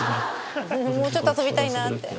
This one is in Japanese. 「もうちょっと遊びたいな」って。